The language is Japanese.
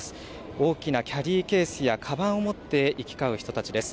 大きなキャリーケースやカバンを持って行き交う人たちです。